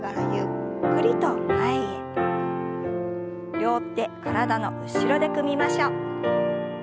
両手体の後ろで組みましょう。